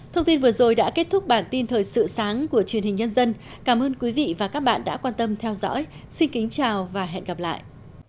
thông tin vừa rồi đã kết thúc bản tin thời sự sáng của truyền hình nhân dân cảm ơn quý vị và các bạn đã quan tâm theo dõi xin kính chào và hẹn gặp lại